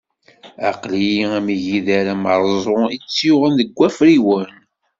Aql-i am yigider amerẓu i tt-yuɣen deg wafriwen.